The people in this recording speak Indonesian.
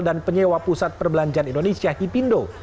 dan penyewa pusat perbelanjaan indonesia hipindo